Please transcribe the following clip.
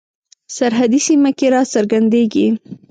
سرحدي سیمه کې را څرګندیږي.